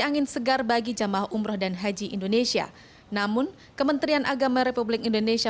angin segar bagi jamaah umroh dan haji indonesia namun kementerian agama republik indonesia